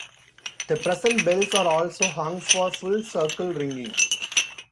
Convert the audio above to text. The present bells are also hung for full circle ringing.